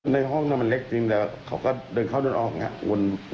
ในห้องนั้นมันเล็กจริงแล้วเขาก็เดินเข้าเดินออกอย่างนี้